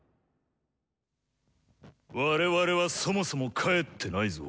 我々はそもそも帰ってないぞ。